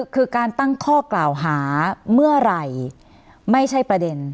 คือการตั้งข้อกล่าวหาเมื่อไหร่ไม่ใช่ประเด็น